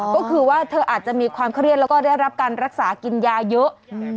ก็คือว่าเธออาจจะมีความเครียดแล้วก็ได้รับการรักษากินยาเยอะ